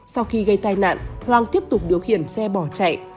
sau khi gây tai nạn hoàng tiếp tục điều khiển xe bỏ chạy